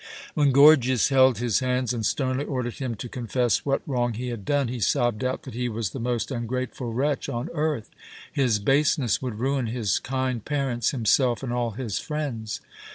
When Gorgias held his hands and sternly ordered him to confess what wrong he had done, he sobbed out that he was the most ungrateful wretch on earth. His baseness would ruin his kind parents, himself, and all his friends.